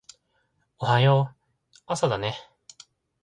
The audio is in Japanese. おはよう朝だね